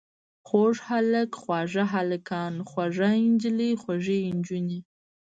خوږ هلک، خواږه هلکان، خوږه نجلۍ، خوږې نجونې.